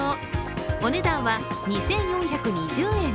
お値段は２４２０円。